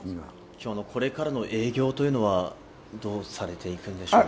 今日のこれからの営業というのは、どうされていくんでしょうか？